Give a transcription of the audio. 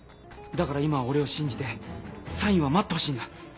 だから今は俺を信じてサインは待ってほしいんだ。